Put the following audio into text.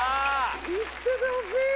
行っててほしい！